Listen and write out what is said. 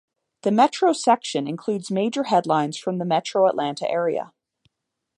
The Metro section includes major headlines from the Metro-Atlanta area.